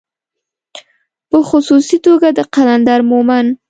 په خصوصي توګه د قلندر مومند